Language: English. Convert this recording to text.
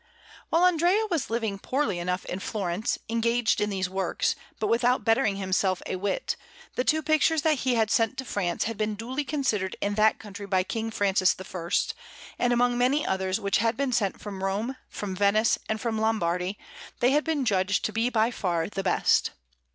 While Andrea was living poorly enough in Florence, engaged in these works, but without bettering himself a whit, the two pictures that he had sent to France had been duly considered in that country by King Francis I; and among many others which had been sent from Rome, from Venice, and from Lombardy, they had been judged to be by far the best.